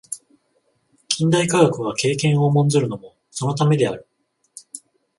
近代科学が経験を重んずるのもそのためである。